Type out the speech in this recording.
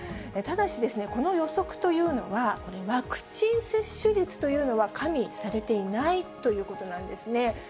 ただしですね、この予測というのは、これ、ワクチン接種率というのは加味されていないということなんですね。